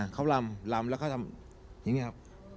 เขาลำลำแล้วก็ทำอย่างนี้ครับ